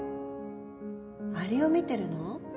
アリを見てるの？